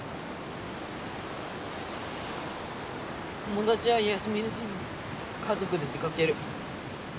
友達は休みの日に家族で出かける。